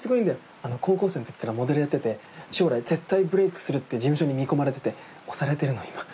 あの高校生のときからモデルやってて将来絶対ブレイクするって事務所に見込まれてて推されてるの今。